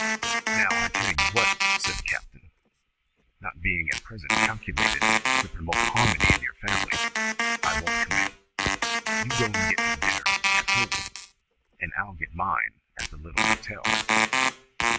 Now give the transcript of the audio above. "Now I tell you what," said the captain. "Not being at present calculated to promote harmony in your family, I won't come in. You go and get your dinner at home, and I'll get mine at the little hotel.